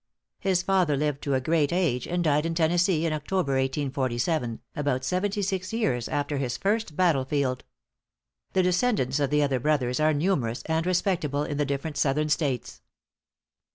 His father lived to a great age, and died in Tennessee in October, 1847, about seventy six years after his first battle field. The descendants of the other brothers are numerous and respectable in the different southern States.